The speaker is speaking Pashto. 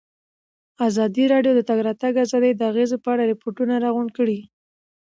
ازادي راډیو د د تګ راتګ ازادي د اغېزو په اړه ریپوټونه راغونډ کړي.